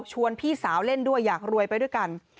พี่สาวเล่นด้วยอยากรวยไปด้วยกัน